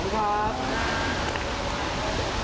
ขอบคุณครับ